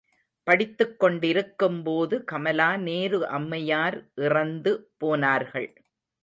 படித்துக் கொண்டிருக்கும்போது கமலா நேரு அம்மையார் இறந்து போனார்கள்.